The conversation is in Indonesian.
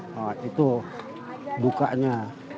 nah itu bukanya